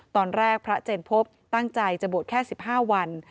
ตอนแรกพระเจนพบตั้งใจจะบวชแค่๑๕วัน